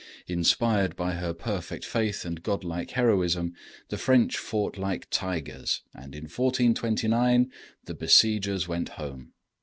] Inspired by her perfect faith and godlike heroism, the French fought like tigers, and, in 1429, the besiegers went home.